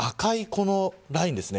このラインですね。